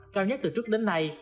cao nhất từ trước đến nay